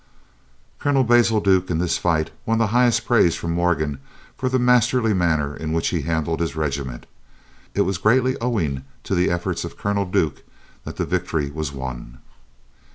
Colonel Basil Duke, in this fight, won the highest praise from Morgan for the masterly manner in which he handled his regiment. It was greatly owing to the efforts of Colonel Duke that the victory was won.